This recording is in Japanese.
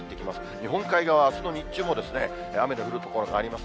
日本海側、あすの日中も雨の降る所があります。